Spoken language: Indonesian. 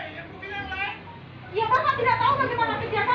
yang mungkin yang lain